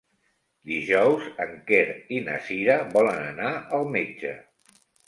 Dijous en Quer i na Cira volen anar al metge.